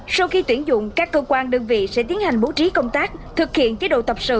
sau khi tuyển dụng các cơ quan đơn vị sẽ tiến hành bố trí công tác thực hiện chế độ tập sự